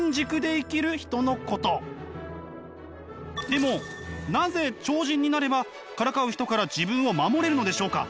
でもなぜ超人になればからかう人から自分を守れるのでしょうか？